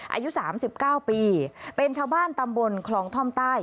อายุ๓๙ปีเป็นชาวบ้านตำบลคลองท่อมใต้